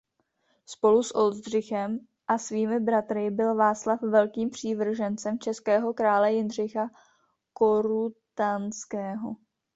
Spolu s Oldřichem a svými bratry byl Václav velkým přívržencem českého krále Jindřicha Korutanského.